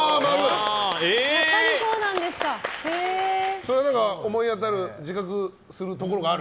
それは思い当たる自覚するところがある？